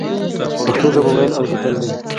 پښتو ژبه ويل او ليکل دې.